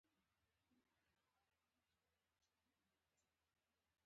راتلونکي حکومت کې د یو کلیدي وزارت وړاندیز یې نه دی منلی.